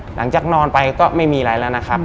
หลังจากนอนไปก็ไม่มีอะไรแล้วนะครับ